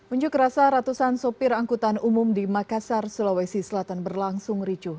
unjuk rasa ratusan sopir angkutan umum di makassar sulawesi selatan berlangsung ricuh